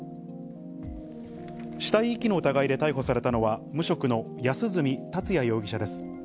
死体遺棄の疑いで逮捕されたのは、無職の安栖達也容疑者です。